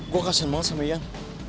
gue kasian banget sama ian